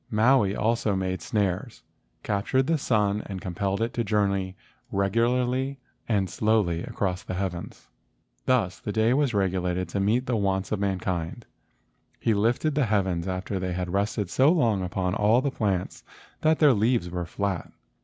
Maui also made snares, captured the sun and compelled it to journey regularly and slowly INTRODUCTION xi across the heavens. Thus the day was regulated to meet the wants of mankind. He lifted the heavens after they had rested so long upon all the plants that their leaves were flat.